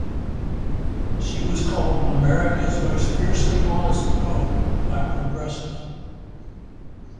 She was called "America's most fiercely honest poet," by "Progressive.